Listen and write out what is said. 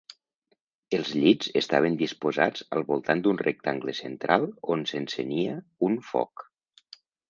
Els llits estaven disposats al voltant d'un rectangle central on s'encenia un foc.